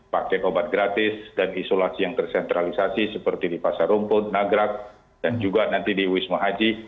paket obat gratis dan isolasi yang tersentralisasi seperti di pasar rumput nagrak dan juga nanti di wisma haji